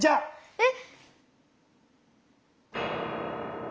えっ。